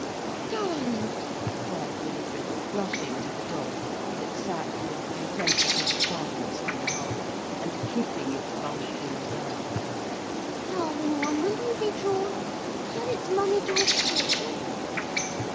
"Darling!" cried Winifred, rushing to the dog, that sat with contemplative sadness on the hearth, and kissing its bulging brow. "Darling one, will you be drawn? Shall its mummy draw its portrait?"